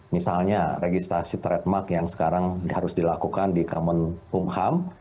misalnya registrasi trademark yang sekarang harus dilakukan di kemenkumham